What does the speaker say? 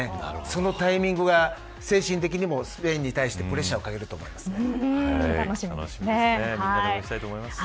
そのタイミングが精神的にもスペインに対してプレッシャーをかけると思いますね。